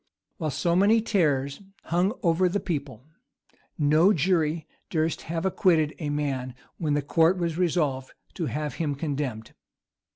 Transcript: While so many terrors hung over the people, no jury durst have acquitted a man when the court was resolved to have him condemned.